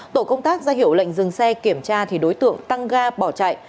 tổ công tác ra hiệu lệnh dừng xe kiểm tra thì đối tượng tăng ga bỏ chạy